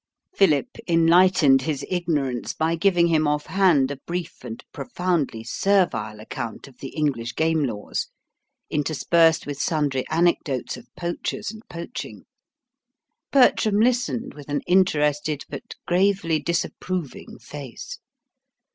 Philip enlightened his ignorance by giving him off hand a brief and profoundly servile account of the English game laws, interspersed with sundry anecdotes of poachers and poaching. Bertram listened with an interested but gravely disapproving face.